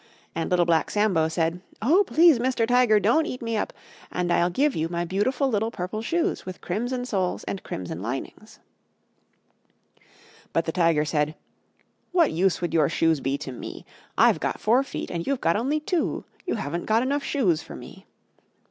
And Little Black Sambo said, "Oh! Please, Mr. Tiger, don't eat me up, and I'll give you my beautiful little Purple Shoes with Crimson Soles and Crimson Linings." But the Tiger said, "What use would your shoes be to me? I've got four feet and you've got only two." "You haven't got enough shoes for me."